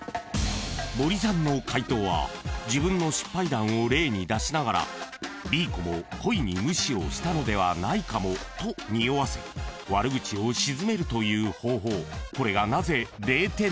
［森さんの解答は自分の失敗談を例に出しながらＢ子も故意に無視をしたのではないかもとにおわせ悪口をしずめるという方法］